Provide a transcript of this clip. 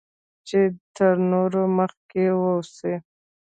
چې تر نورو مخکې واوسی